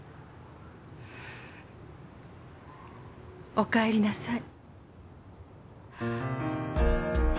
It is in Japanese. おかえりなさい。